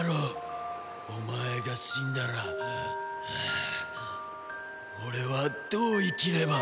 お前が死んだら俺はどう生きれば。